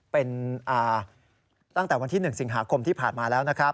เป็นตั้งแต่วันที่๑สิงหาคมที่ผ่านมาแล้วนะครับ